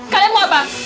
kalian mau apa